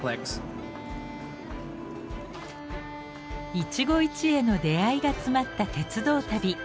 一期一会の出会いが詰まった鉄道旅。